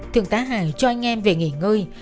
thường tá hải cho anh em về nghỉ ngơi